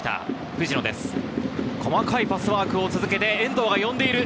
細かいパスワークを続けて、遠藤が呼んでいる。